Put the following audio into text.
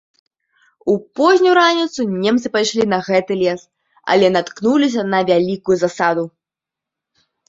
У познюю раніцу немцы пайшлі на гэты лес, але наткнуліся на вялікую засаду.